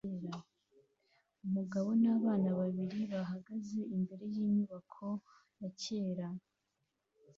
Umugabo nabana babiri bahagaze imbere yinyubako ya kera